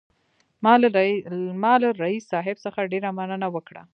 ما له رییس صاحب څخه ډېره مننه وکړه.